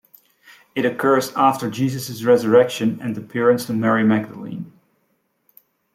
It occurs after Jesus' resurrection and appearance to Mary Magdalene.